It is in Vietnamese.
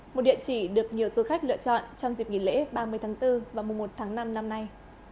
một địa chỉ được nhiều du khách lựa chọn trong dịp nghỉ lễ ba mươi tháng bốn và mùa một tháng năm năm nay